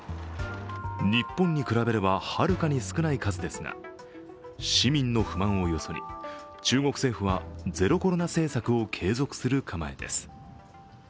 日本に比べればはるかに少ない数ですが、市民の不満をよそに中国政府はゼロコロナ政策を継続する構えです。